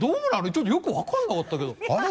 ちょっとよく分からなかったけどあれ？